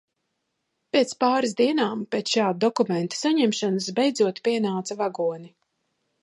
Pēc pāris dienām, pēc šāda dokumenta saņemšanas, beidzot pienāca vagoni.